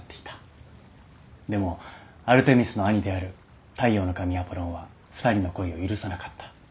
でもアルテミスの兄である太陽の神アポロンは２人の恋を許さなかった。